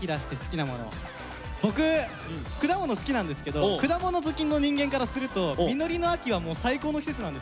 僕果物好きなんですけど果物好きの人間からすると実りの秋はもう最高の季節なんですよ。